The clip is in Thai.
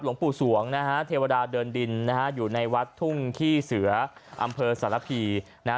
หลวงปู่สวงนะฮะเทวดาเดินดินนะฮะอยู่ในวัดทุ่งขี้เสืออำเภอสารพีนะฮะ